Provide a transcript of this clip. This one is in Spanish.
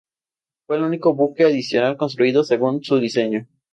El fue el único buque adicional construido según su diseño.